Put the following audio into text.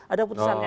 ada putusan mk